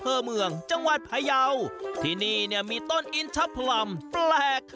อำเภอเมืองจังหวัดพยาวที่นี่เนี่ยมีต้นอินทะพลัมแปลก